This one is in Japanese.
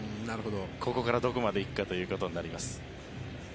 ここからどこまで行くかというところになります。